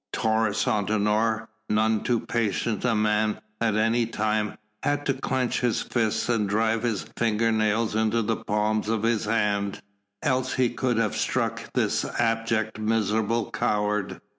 Taurus Antinor, none too patient a man at any time, had to clench his fists and drive his finger nails into the palms of his hands, else he could have struck this abject, miserable coward.